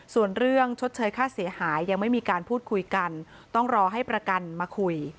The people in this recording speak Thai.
ส่วนเรื่องชดเชยค่าเสียหายยังไม่มีการพูดคุยกันต้องรอให้ประกันมาคุย